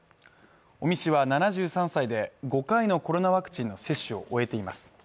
尾身氏は７３歳で５回のコロナワクチンの接種を終えています